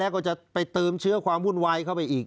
ก็จะไปเติมเชื้อความวุ่นวายเข้าไปอีก